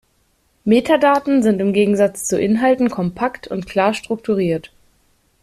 Metadaten sind im Gegensatz zu Inhalten kompakt und klar strukturiert.